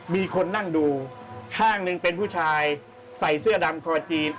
มีคนนั่งดูข้างหนึ่งเป็นผู้ชายใส่เสื้อดำคอจีน